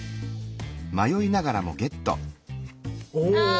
お！